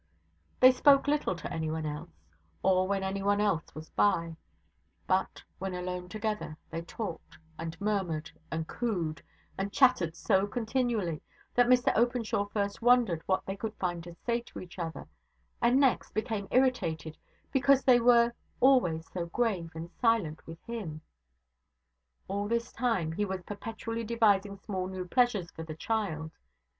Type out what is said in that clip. They spoke little to anyone else, or when anyone else was by; but, when alone together, they talked, and murmured, and cooed, and chattered so continually, that Mr Openshaw first wondered what they could find to say to each other, and next became irritated because they were always so grave and silent with him. All this time he was perpetually devising small new pleasures for the child.